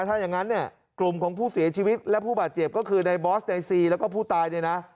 ถ้าอย่างนั้นเนี่ยกลุ่มของผู้เสียชีวิตและผู้บาดเจ็บก็คือในบอสเตซีแล้วก็ผู้ตายเนี่ยนะ